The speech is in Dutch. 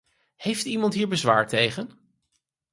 Heeft iemand hier bezwaar tegen?